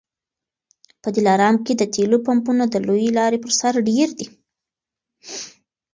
په دلارام کي د تېلو پمپونه د لويې لارې پر سر ډېر دي